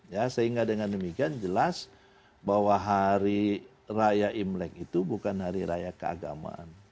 ya sehingga dengan demikian jelas bahwa hari raya imlek itu bukan hari raya keagamaan